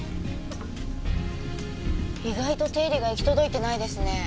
意外と手入れが行き届いてないですね。